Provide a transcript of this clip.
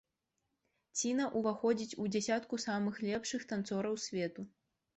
Ціна ўваходзіць у дзясятку самых лепшых танцораў свету.